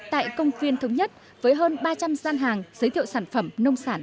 tại công viên thống nhất với hơn ba trăm linh gian hàng giới thiệu sản phẩm nông sản